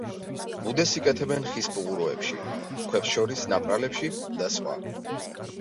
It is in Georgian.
ბუდეს იკეთებენ ხის ფუღუროებში, ქვებს შორის ნაპრალებში და სხვა.